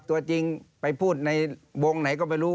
ตัวจริงไปพูดในวงไหนก็ไม่รู้